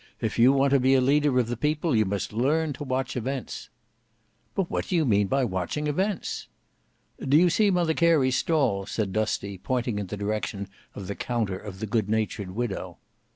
"If you want to be a leader of the people you must learn to watch events." "But what do you mean by watching events?" "Do you see Mother Carey's stall?" said Dusty, pointing in the direction of the counter of the good natured widow.